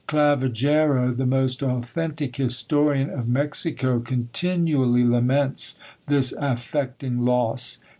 Clavigero, the most authentic historian of Mexico, continually laments this affecting loss.